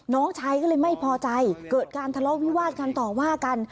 น้องชายก็เลยไม่พอใจเกิดการทะเลาะวิวาดกันต่อว่ากัน